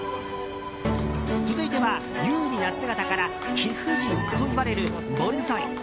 続いては、優美な姿から貴婦人といわれるボルゾイ。